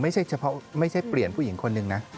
ไม่ใช่เฉพาะไม่ใช่เปลี่ยนผู้หญิงคนหนึ่งนะ